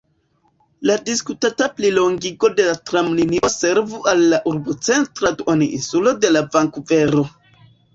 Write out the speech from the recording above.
La diskutata plilongigo de la tramlinio servu al la urbocentra duon-insulo de Vankuvero.